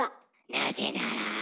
なぜなら？